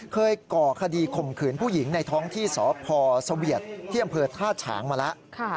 ก่อคดีข่มขืนผู้หญิงในท้องที่สพเสวียดที่อำเภอท่าฉางมาแล้ว